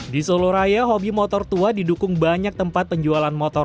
di solo raya hobi motor tua didukung banyak tempat penjualan motor